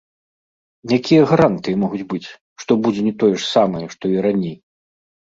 Якія гарантыі могуць быць, што будзе не тое ж самае, што і раней?